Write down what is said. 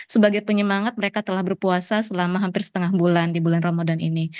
sebagai penyemangat mereka telah berpuasa selama hampir setengah bulan di bulan ramadan ini